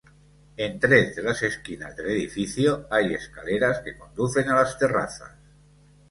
En tres de las esquinas del edificio, hay escaleras que conducen a las terrazas.